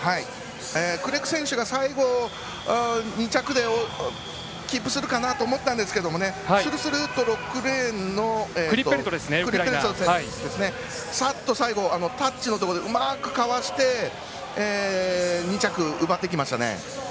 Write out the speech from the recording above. クレッグ選手が最後２着でキープするかなと思ったんですがするするっと６レーンのクリッペルト選手がさっと最後タッチのところでうまくかわして２着、奪っていきました。